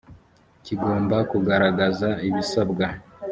kigomba kugaragaza ibisabwa.